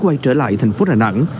quay trở lại thành phố đà nẵng